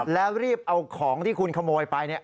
แล้วรีบเอาของที่คุณขโมยไป